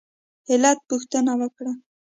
علت پوښتنه وکړه.